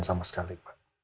sama sekali pak